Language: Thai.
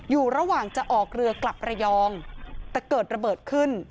อยู่ระหว่างจะออกเรือกลับระยองแต่เกิดระเบิดขึ้น